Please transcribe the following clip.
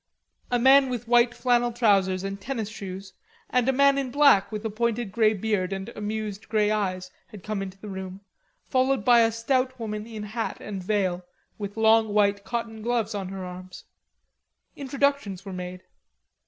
A man with white flannel trousers and tennis shoes and a man in black with a pointed grey beard and amused grey eyes had come into the room, followed by a stout woman in hat and veil, with long white cotton gloves on her arms. Introductions were made.